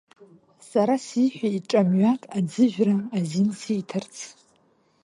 Сара сиҳәеит ҿамҩак аӡыжәра азин сиҭарц.